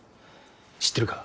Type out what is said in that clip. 知ってるか？